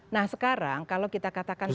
nah sekarang kalau kita katakan